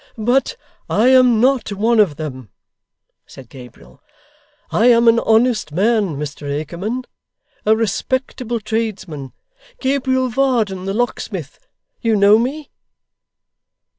'But I am not one of them,' said Gabriel. 'I am an honest man, Mr Akerman; a respectable tradesman Gabriel Varden, the locksmith. You know me?